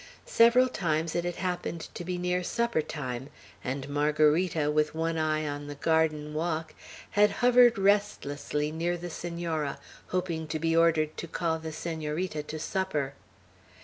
Several times it had happened to be near supper time; and Margarita, with one eye on the garden walk, had hovered restlessly near the Senora, hoping to be ordered to call the Senorita to supper.